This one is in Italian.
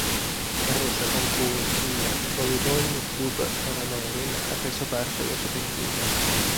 La rosa con cui il Volejbol'nyj klub Chara Morin ha preso parte alla Superliga.